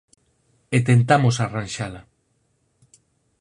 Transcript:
E tentamos arranxala.